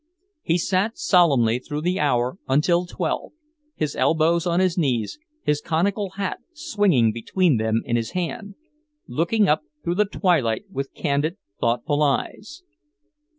He sat solemnly through the hour until twelve, his elbows on his knees, his conical hat swinging between them in his hand, looking up through the twilight with candid, thoughtful eyes.